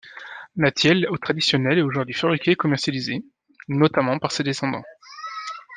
La tielle traditionnelle est aujourd'hui fabriquée et commercialisée, notamment par ses descendants.